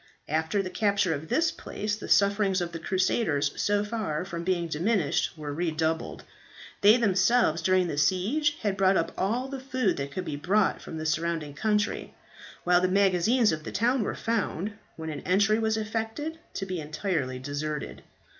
"After the capture of this place the sufferings of the crusaders so far from being diminished were redoubled. They themselves during the siege had bought up all the food that could be brought from the surrounding country, while the magazines of the town were found, when an entry was effected, to be entirely deserted.